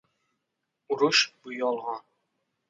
• Urush bu — yolg‘on.